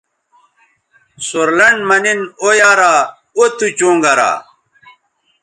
سور لنڈ مہ نِن او یارااو تُو چوں گرا